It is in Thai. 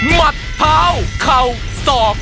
มัดเท้าเข่าศอก